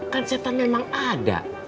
kan setan memang ada